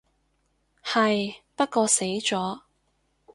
係，不過死咗